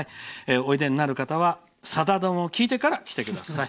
おいでになる方は「さだ丼」を聴いてから来てください。